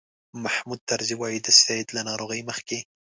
محمود طرزي وایي د سید له ناروغۍ مخکې.